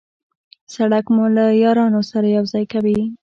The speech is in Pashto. سړک مو له یارانو سره یو ځای کوي.